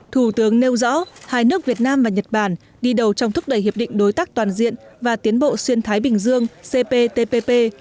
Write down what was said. thủ tướng nêu rõ hai nước việt nam và nhật bản đi đầu trong thúc đẩy hiệp định đối tác toàn diện và tiến bộ xuyên thái bình dương cptpp